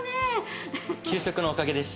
給食のおかげです。